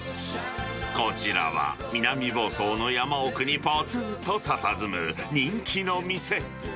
こちらは南房総の山奥にぽつんとたたずむ人気の店。